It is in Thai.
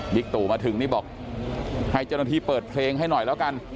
บิ๊กตู่มาถึงนี่บอกให้จนทีเปิดเพลงให้หน่อยแล้วกัน